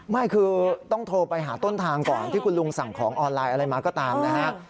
ไม่คือต้องโทรไปหาต้นทางก่อนที่คุณลุงสั่งของออนไลน์อะไรมาก็ตามนะฮะ